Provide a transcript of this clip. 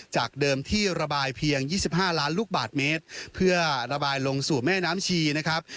จากเดิมที่ระบายเพียง๒๕ล้านลูกบาทเมตรเพื่อระบายลงสู่แม่น้ำชีนะครับ